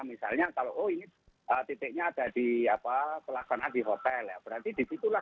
misalnya kalau ini titiknya ada di apa pelaksanaan di hotel ya berarti di situlah